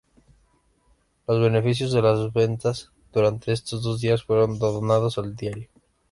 Los beneficios de las ventas durante estos dos días fueron donados al diario.